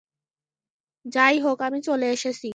যাইহোক আমি চলে এসেছি।